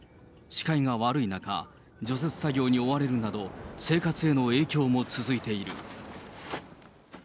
視界が悪い中、除雪作業に追われるなど、生活への影響も続いている。